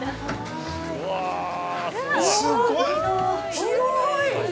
広い！